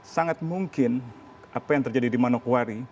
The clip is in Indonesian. sangat mungkin apa yang terjadi di manokwari